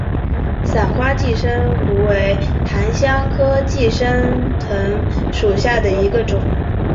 伞花寄生藤为檀香科寄生藤属下的一个种。